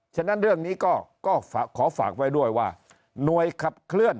ฉะนั้นเรื่องนี้ก็ขอฝากไว้ด้วยว่าหน่วยขับเคลื่อน